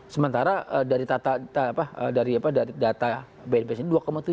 sementara dari data bnps ini dua tujuh